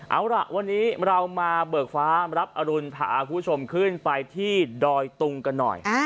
เอาล่ะวันนี้เรามาเบิกฟ้ารับอรุณพาคุณผู้ชมขึ้นไปที่ดอยตุงกันหน่อย